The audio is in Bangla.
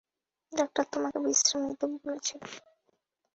ডাক্তার তোমাকে বিশ্রাম নিতে বলেছিলো।